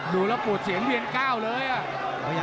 ดูละโหดเสียงเรียนก้าวเลยอ่ะ